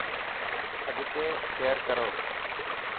اگتي شيئر ڪرو.